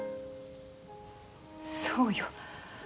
そうよ。